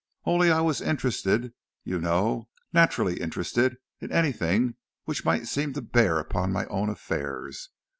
Only I was interested you know, naturally interested, in anything which might seem to bear upon my own affairs.